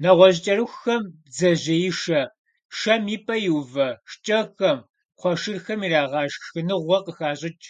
НэгъуэщӀ кӀэрыхухэм «бдзэжьеишэ», шэм и пӀэ иувэ, шкӀэхэм, кхъуэшырхэм ирагъэшх шхыныгъуэ къыхащӀыкӀ.